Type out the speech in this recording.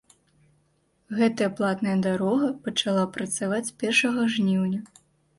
Гэтая платная дарога пачала працаваць з першага жніўня.